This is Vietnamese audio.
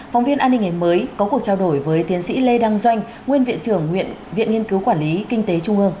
phóng viên an ninh ngày mới có cuộc trao đổi với tiến sĩ lê đăng doanh nguyên viện trưởng viện nghiên cứu quản lý kinh tế trung ương